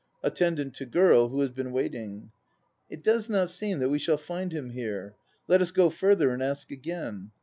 ATTENDANT (to GIRL, who has been waiting). It does not seem that we shall find him here. Let us go further and ask again.